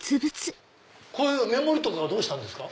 こういう目盛りとかはどうしたんですか？